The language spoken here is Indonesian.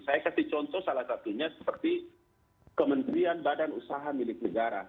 saya kasih contoh salah satunya seperti kementerian badan usaha milik negara